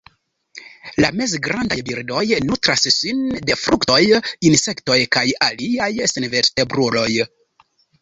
La mezgrandaj birdoj nutras sin de fruktoj, insektoj kaj aliaj senvertebruloj.